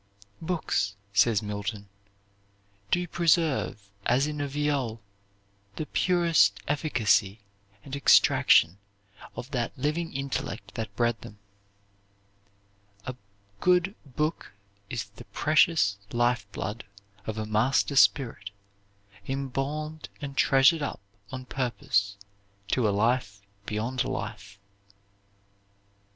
"Books," says Milton, "do preserve as in a violl, the purest efficacie and extraction of that living intellect that bred them. A good Booke is the pretious life blood of a master spirit, imbalm'd and treasur'd up on purpose to a Life beyond Life."